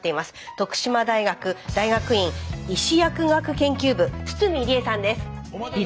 徳島大学大学院医歯薬学研究部堤理恵さんです。